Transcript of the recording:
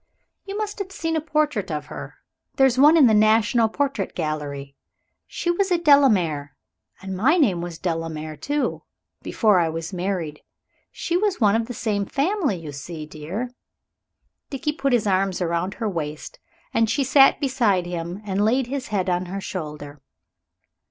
"You must have seen a portrait of her. There's one in the National Portrait Gallery. She was a Delamere, and my name was Delamere, too, before I was married. She was one of the same family, you see, dear." Dickie put his arms round her waist as she sat beside him, and laid his head on her shoulder.